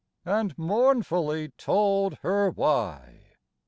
And mournfully told her why.